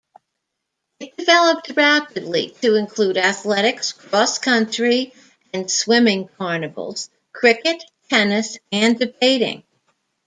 It developed rapidly to include Athletics, Cross-Country and Swimming carnivals, Cricket, Tennis, and Debating.